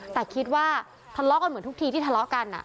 แต่คิดว่าทะเลาะกันเหมือนทุกทีที่ทะเลาะกัน